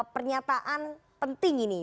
pernyataan penting ini